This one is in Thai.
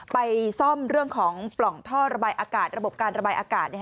ไปซ่อมเรื่องของปล่องท่อระบายอากาศระบบการระบายอากาศ